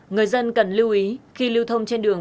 người dân cần lưu ý khi lưu thông trên đường